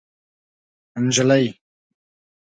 نجلۍ